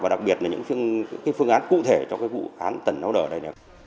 và đặc biệt là những phương án cụ thể cho vụ án tẩn nấu đỏ này